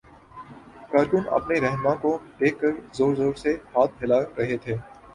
کارکن اپنے راہنما کو دیکھ کر زور زور سے ہاتھ ہلا رہے تھے